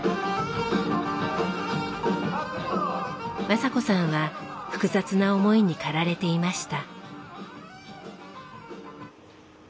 雅子さんは複雑な思いに駆られていました。